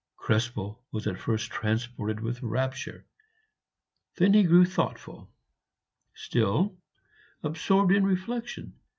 Krespel was at first transported with rapture, then he grew thoughtful still absorbed in reflection.